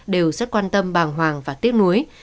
đều rất quan tâm bàng hoàng và tiếc nuối